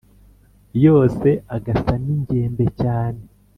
Yose agasa n'ingembe cyane